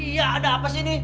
iya ada apa sih ini